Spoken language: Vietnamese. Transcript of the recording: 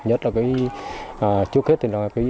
nhất là trước hết